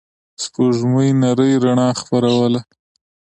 سپوږمۍ نرۍ رڼا خپروله.